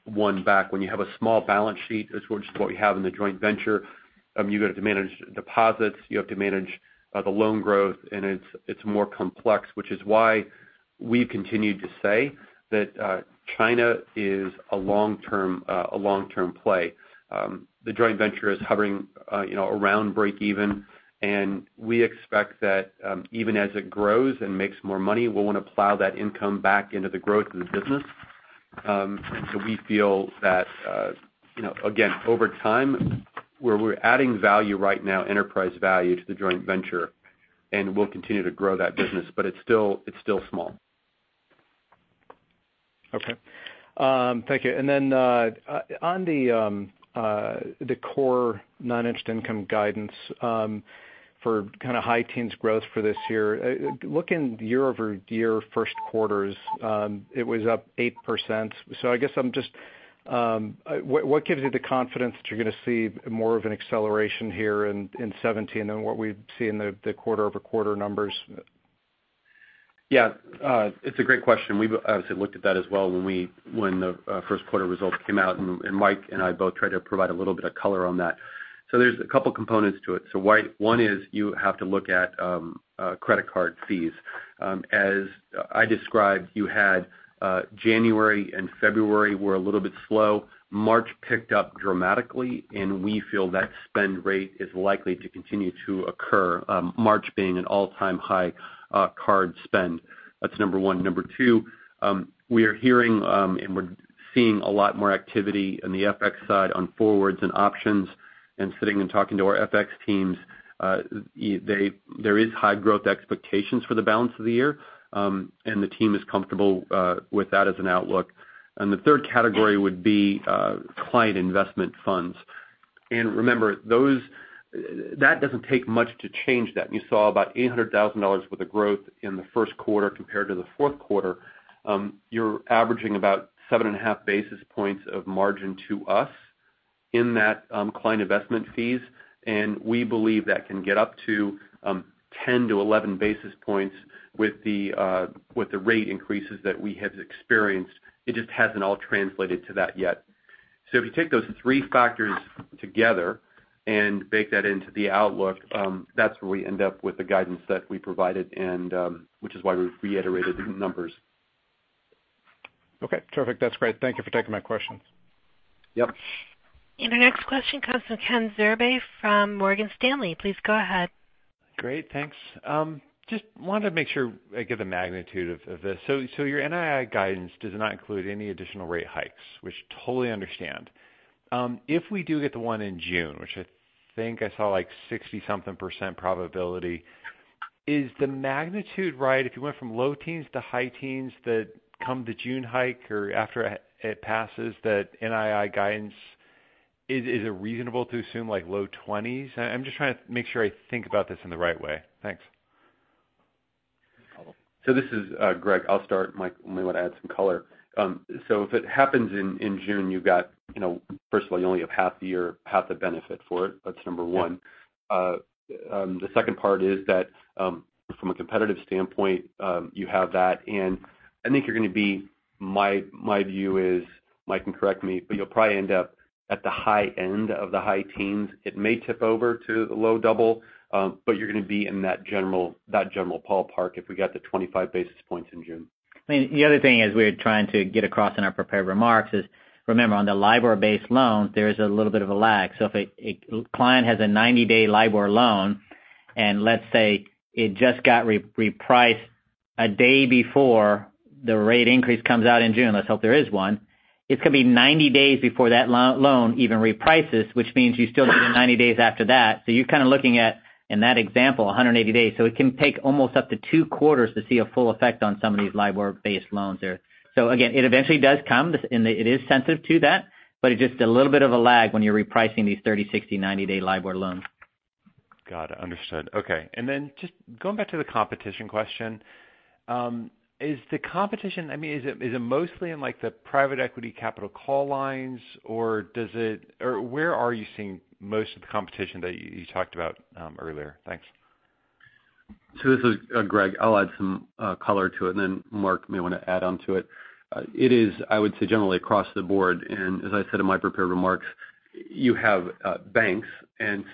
one back. When you have a small balance sheet, which is what we have in the joint venture, you have to manage deposits, you have to manage the loan growth, and it's more complex, which is why we've continued to say that China is a long-term play. The joint venture is hovering around break even, and we expect that even as it grows and makes more money, we'll want to plow that income back into the growth of the business. We feel that again, over time, where we're adding value right now, enterprise value to the joint venture, and we'll continue to grow that business. It's still small. Okay. Thank you. On the core managed income guidance for kind of high teens growth for this year. Looking year-over-year first quarter, it was up 8%. What gives you the confidence that you're going to see more of an acceleration here in 2017 than what we see in the quarter-over-quarter numbers? Yeah. It's a great question. We've obviously looked at that as well when the first quarter results came out, and Mike and I both tried to provide a little bit of color on that. There's a couple of components to it. One is you have to look at credit card fees. As I described, you had January and February were a little bit slow. March picked up dramatically, and we feel that spend rate is likely to continue to occur, March being an all-time high card spend. That's number one. Number two, we are hearing, and we're seeing a lot more activity in the FX side on forwards and options, and sitting and talking to our FX teams, there is high growth expectations for the balance of the year. The team is comfortable with that as an outlook. The third category would be client investment funds. Remember, that doesn't take much to change that. You saw about $800,000 worth of growth in the first quarter compared to the fourth quarter. You're averaging about seven and a half basis points of margin to us in that client investment fees, and we believe that can get up to 10 to 11 basis points with the rate increases that we have experienced. It just hasn't all translated to that yet. If you take those three factors together and bake that into the outlook, that's where we end up with the guidance that we provided, which is why we've reiterated the numbers. Okay, terrific. That's great. Thank you for taking my questions. Yep. Our next question comes from Ken Zerbe from Morgan Stanley. Please go ahead. Great. Thanks. Just wanted to make sure I get the magnitude of this. Your NII guidance does not include any additional rate hikes, which totally understand. If we do get the one in June, which I think I saw like 60-something% probability, is the magnitude right if you went from low teens to high teens that come the June hike or after it passes that NII guidance, is it reasonable to assume like low 20s? I'm just trying to make sure I think about this in the right way. Thanks. This is Greg. I'll start. Mike may want to add some color. If it happens in June, you've got firstly, you only have half the year, half the benefit for it. That's number 1. The second part is that from a competitive standpoint, you have that, and I think you're going to be, my view is, Mike can correct me, but you'll probably end up at the high end of the high teens. It may tip over to the low double, but you're going to be in that general ballpark if we got the 25 basis points in June. I mean, the other thing is we're trying to get across in our prepared remarks is, remember, on the LIBOR-based loans, there is a little bit of a lag. If a client has a 90-day LIBOR loan, and let's say it just got repriced a day before the rate increase comes out in June, let's hope there is one, it's going to be 90 days before that loan even reprices, which means you still got 90 days after that. You're kind of looking at, in that example, 180 days. It can take almost up to two quarters to see a full effect on some of these LIBOR-based loans there. Again, it eventually does come, and it is sensitive to that, but it's just a little bit of a lag when you're repricing these 30, 60, 90-day LIBOR loans. Got it. Understood. Okay. Then just going back to the competition question. Is the competition, I mean, is it mostly in the private equity capital call lines, or where are you seeing most of the competition that you talked about earlier? Thanks. This is Greg Becker. I'll add some color to it, then Marc Cadieux may want to add onto it. It is, I would say, generally across the board, and as I said in my prepared remarks, you have banks.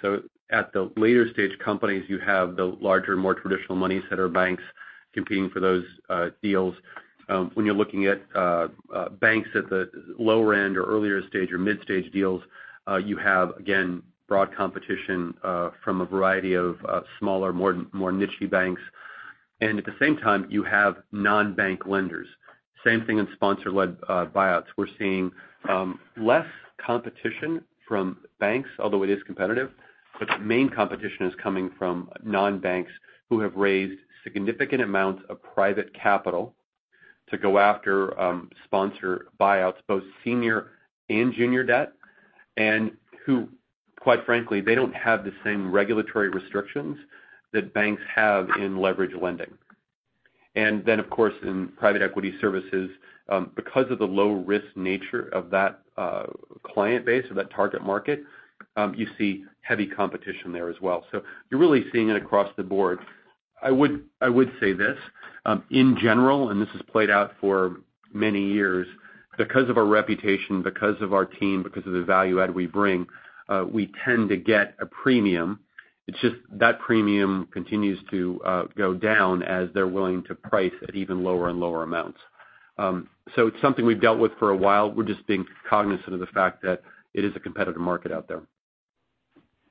So at the later stage companies, you have the larger, more traditional monies that are banks competing for those deals. When you're looking at banks at the lower end or earlier stage or mid-stage deals, you have, again, broad competition from a variety of smaller, more niche-y banks. At the same time, you have non-bank lenders. Same thing in sponsor-led buyouts. We're seeing less competition from banks, although it is competitive, but the main competition is coming from non-banks who have raised significant amounts of private capital to go after sponsor buyouts, both senior and junior debt, and who, quite frankly, they don't have the same regulatory restrictions that banks have in leverage lending. Then, of course, in private equity services, because of the low-risk nature of that client base or that target market, you see heavy competition there as well. You're really seeing it across the board. I would say this. In general, and this has played out for many years, because of our reputation, because of our team, because of the value add we bring, we tend to get a premium. It's just that premium continues to go down as they're willing to price at even lower and lower amounts. It's something we've dealt with for a while. We're just being cognizant of the fact that it is a competitive market out there.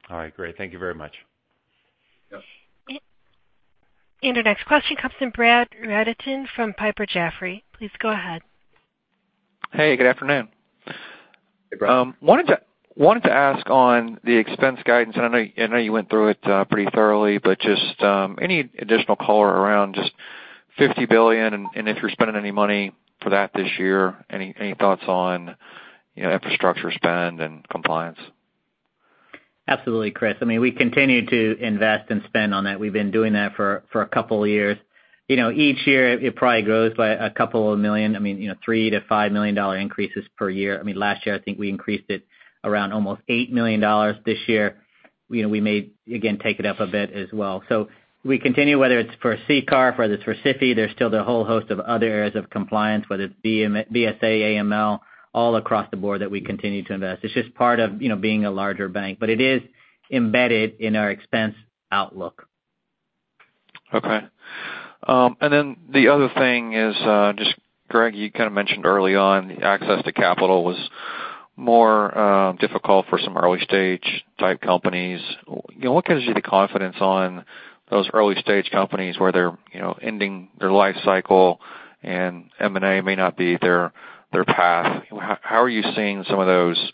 All right, great. Thank you very much. Yes. Our next question comes from Brett Rabatin from Piper Jaffray. Please go ahead. Hey, good afternoon. Hey, Brad. Wanted to ask on the expense guidance. I know you went through it pretty thoroughly, but just any additional color around just $50 billion and if you're spending any money for that this year, any thoughts on infrastructure spend and compliance? Absolutely, Chris. I mean, we continue to invest and spend on that. We've been doing that for a couple of years. Each year, it probably grows by a couple of million. I mean, $3 million-$5 million increases per year. I mean, last year, I think we increased it around almost $8 million. This year, we may again take it up a bit as well. We continue, whether it's for CCAR, whether it's for SIFI, there's still the whole host of other areas of compliance, whether it's BSA, AML, all across the board that we continue to invest. It's just part of being a larger bank. It is embedded in our expense outlook. Okay. The other thing is just, Greg, you kind of mentioned early on access to capital was more difficult for some early-stage type companies. What gives you the confidence on those early-stage companies where they're ending their life cycle and M&A may not be their path? How are you seeing some of those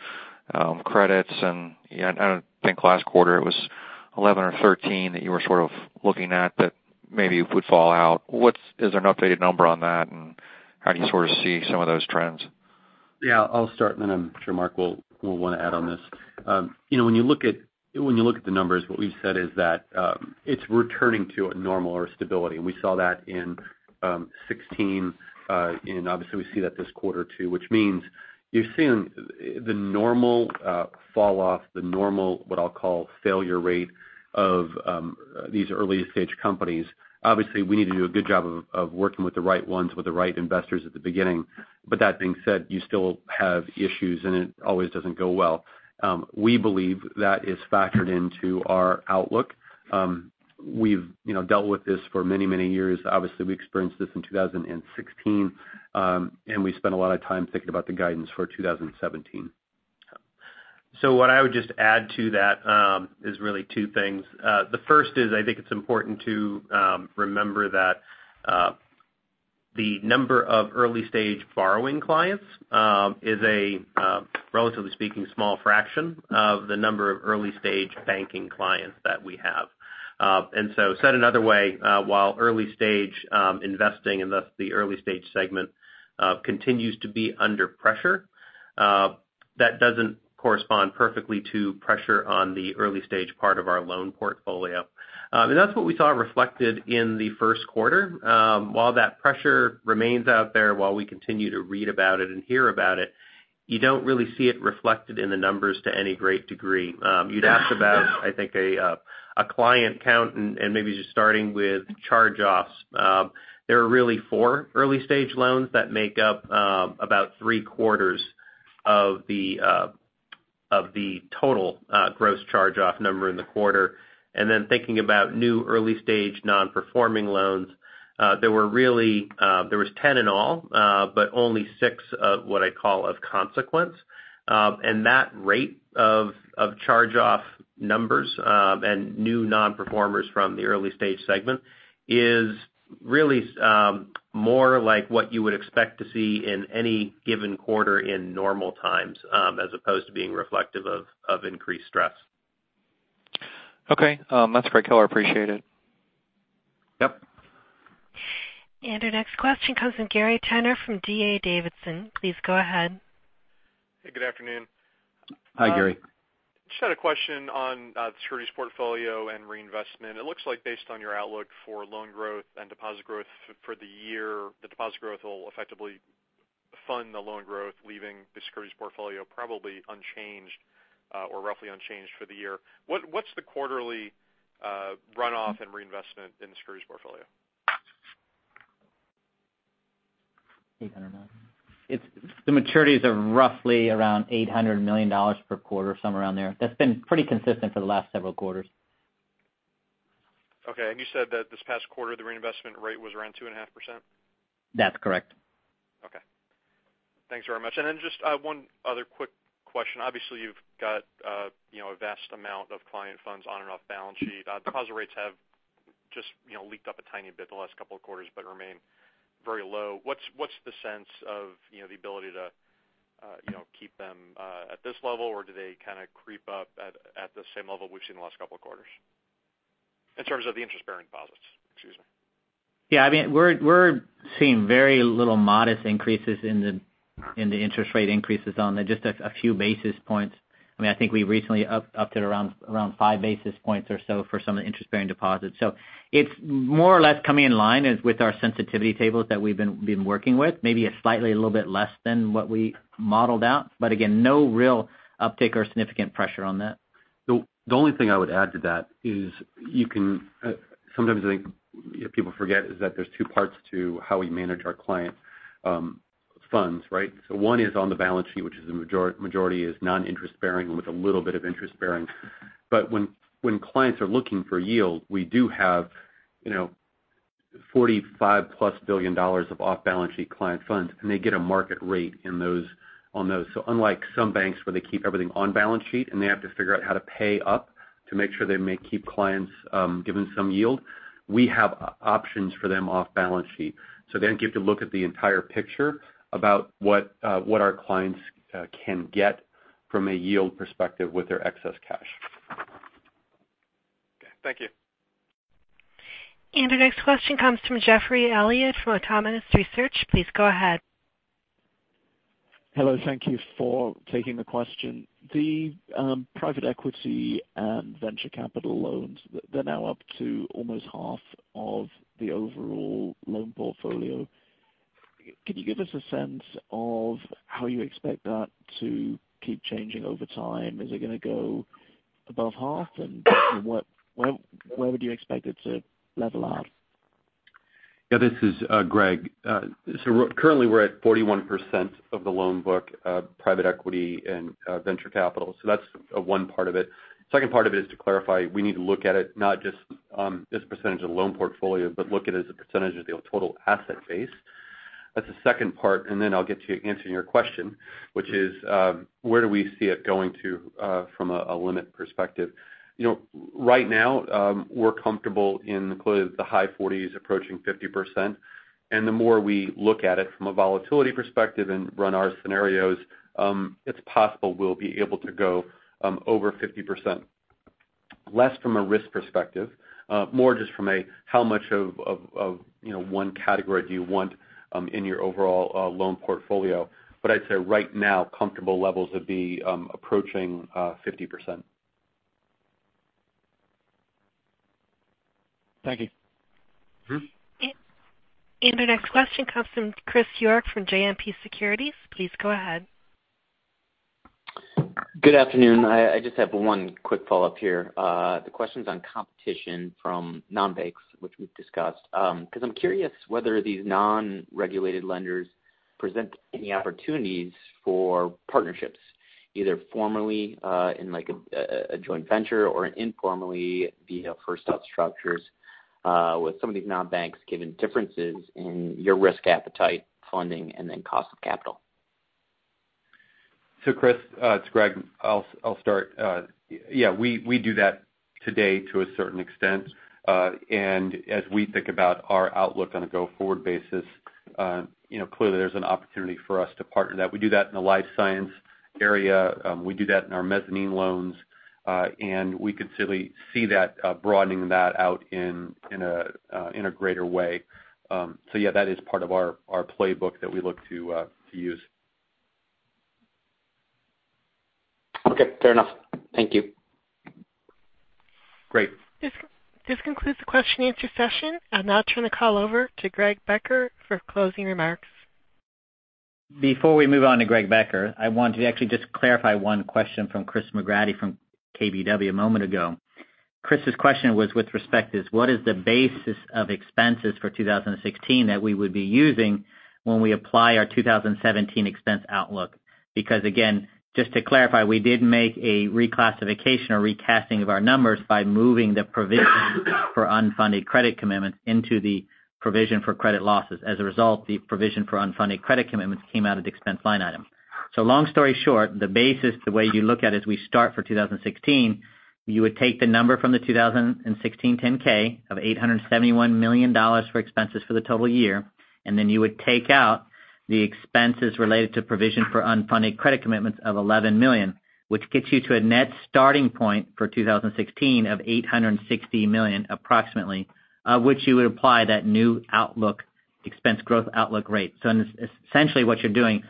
credits? I think last quarter it was 11 or 13 that you were sort of looking at that maybe would fall out. Is there an updated number on that, and how do you sort of see some of those trends? Yeah, I'll start. I'm sure Mark will want to add on this. When you look at the numbers, what we've said is that it's returning to a normal or stability. We saw that in 2016. Obviously we see that this quarter too, which means you're seeing the normal fall off, the normal, what I'll call failure rate of these early-stage companies. Obviously, we need to do a good job of working with the right ones, with the right investors at the beginning. That being said, you still have issues, and it always doesn't go well. We believe that is factored into our outlook. We've dealt with this for many, many years. Obviously, we experienced this in 2016. We spent a lot of time thinking about the guidance for 2017. What I would just add to that is really two things. The first is, I think it's important to remember that the number of early-stage borrowing clients is a, relatively speaking, small fraction of the number of early-stage banking clients that we have. Said another way, while early stage investing and thus the early stage segment continues to be under pressure, that doesn't correspond perfectly to pressure on the early stage part of our loan portfolio. That's what we saw reflected in the first quarter. While that pressure remains out there, while we continue to read about it and hear about it, you don't really see it reflected in the numbers to any great degree. You'd ask about, I think, a client count and maybe just starting with charge-offs. There are really four early-stage loans that make up about three-quarters of the total gross charge-off number in the quarter. Thinking about new early-stage non-performing loans, there was 10 in all but only six of what I'd call of consequence. That rate of charge-off numbers and new non-performers from the early stage segment is really more like what you would expect to see in any given quarter in normal times, as opposed to being reflective of increased stress. That's great color. I appreciate it. Yep. Our next question comes from Gary Tenner from D.A. Davidson. Please go ahead. Hey, good afternoon. Hi, Gary. Just had a question on the securities portfolio and reinvestment. It looks like based on your outlook for loan growth and deposit growth for the year, the deposit growth will effectively fund the loan growth, leaving the securities portfolio probably unchanged or roughly unchanged for the year. What's the quarterly runoff and reinvestment in the securities portfolio? The maturities are roughly around $800 million per quarter, somewhere around there. That's been pretty consistent for the last several quarters. Okay. You said that this past quarter, the reinvestment rate was around 2.5%? That's correct. Thanks very much. Then just one other quick question. Obviously, you've got a vast amount of client funds on and off balance sheet. Deposit rates have just leaked up a tiny bit the last couple of quarters but remain very low. What's the sense of the ability to keep them at this level, or do they kind of creep up at the same level we've seen the last couple of quarters? In terms of the interest-bearing deposits, excuse me. Yeah. We're seeing very little modest increases in the interest rate increases on there, just a few basis points. I think we recently upped it around five basis points or so for some of the interest-bearing deposits. It's more or less coming in line with our sensitivity tables that we've been working with. Maybe a slightly a little bit less than what we modeled out. Again, no real uptick or significant pressure on that. The only thing I would add to that is sometimes I think people forget is that there's two parts to how we manage our clients' funds. One is on the balance sheet, which is the majority is non-interest bearing with a little bit of interest bearing. When clients are looking for yield, we do have $45+ billion of off-balance sheet client funds, and they get a market rate on those. Unlike some banks where they keep everything on balance sheet, and they have to figure out how to pay up to make sure they may keep clients given some yield, we have options for them off balance sheet. Again, you have to look at the entire picture about what our clients can get from a yield perspective with their excess cash. Okay, thank you. The next question comes from Geoffrey Elliot from Autonomous Research. Please go ahead. Hello, thank you for taking the question. The private equity and venture capital loans, they're now up to almost half of the overall loan portfolio. Can you give us a sense of how you expect that to keep changing over time? Is it going to go above half, and where would you expect it to level out? Yeah, this is Greg. Currently we're at 41% of the loan book, private equity and venture capital. That's one part of it. Second part of it is to clarify, we need to look at it not just as a percentage of the loan portfolio, but look at it as a percentage of the total asset base. That's the second part. I'll get to answering your question, which is where do we see it going to from a limit perspective. Right now, we're comfortable in the high 40s approaching 50%. The more we look at it from a volatility perspective and run our scenarios, it's possible we'll be able to go over 50%. Less from a risk perspective, more just from a how much of one category do you want in your overall loan portfolio. I'd say right now, comfortable levels would be approaching 50%. Thank you. Our next question comes from Chris York from JMP Securities. Please go ahead. Good afternoon. I just have one quick follow-up here. The question's on competition from non-banks, which we've discussed. I'm curious whether these non-regulated lenders present any opportunities for partnerships, either formally in a joint venture or informally via first out structures with some of these non-banks, given differences in your risk appetite, funding, and then cost of capital. Chris, it's Greg. I'll start. Yeah, we do that today to a certain extent. As we think about our outlook on a go-forward basis, clearly there's an opportunity for us to partner that. We do that in the life science area, we do that in our mezzanine loans, and we can certainly see that broadening that out in a greater way. Yeah, that is part of our playbook that we look to use. Okay, fair enough. Thank you. Great. This concludes the question and answer session. I'll now turn the call over to Greg Becker for closing remarks. Before we move on to Greg Becker, I want to actually just clarify one question from Chris McGratty from KBW a moment ago. Chris's question was with respect to what is the basis of expenses for 2016 that we would be using when we apply our 2017 expense outlook. Again, just to clarify, we did make a reclassification or recasting of our numbers by moving the provision for unfunded credit commitments into the provision for credit losses. As a result, the provision for unfunded credit commitments came out of the expense line item. Long story short, the basis, the way you look at as we start for 2016, you would take the number from the 2016 10-K of $871 million for expenses for the total year, then you would take out the expenses related to provision for unfunded credit commitments of $11 million, which gets you to a net starting point for 2016 of $860 million approximately, of which you would apply that new expense growth outlook rate. Essentially what you're doing,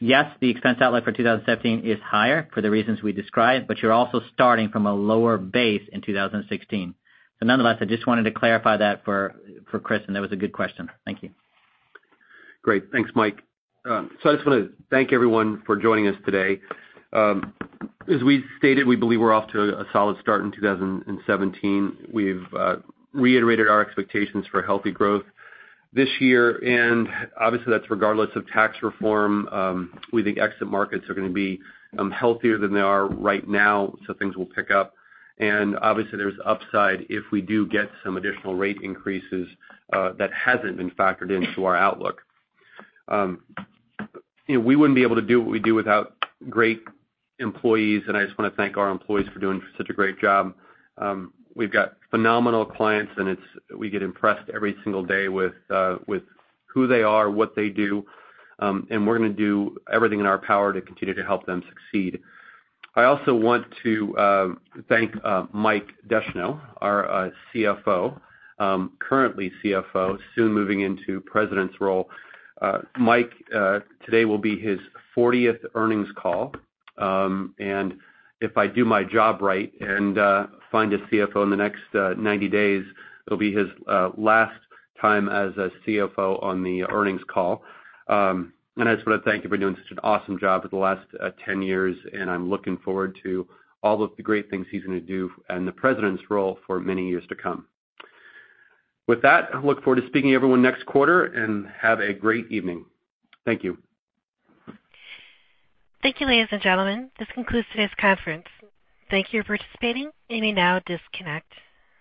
yes, the expense outlook for 2017 is higher for the reasons we described, but you're also starting from a lower base in 2016. Nonetheless, I just wanted to clarify that for Chris, and that was a good question. Thank you. Great. Thanks, Mike. I just want to thank everyone for joining us today. As we've stated, we believe we're off to a solid start in 2017. We've reiterated our expectations for healthy growth this year, obviously that's regardless of tax reform. We think exit markets are going to be healthier than they are right now, so things will pick up. Obviously there's upside if we do get some additional rate increases that hasn't been factored into our outlook. We wouldn't be able to do what we do without great employees, and I just want to thank our employees for doing such a great job. We've got phenomenal clients, and we get impressed every single day with who they are, what they do, and we're going to do everything in our power to continue to help them succeed. I also want to thank Mike Descheneaux, our current CFO, soon moving into President's role. Mike, today will be his 40th earnings call. If I do my job right and find a CFO in the next 90 days, it'll be his last time as a CFO on the earnings call. I just want to thank you for doing such an awesome job for the last 10 years, and I'm looking forward to all of the great things he's going to do in the President's role for many years to come. With that, I look forward to speaking to everyone next quarter, and have a great evening. Thank you. Thank you, ladies and gentlemen. This concludes today's conference. Thank you for participating. You may now disconnect.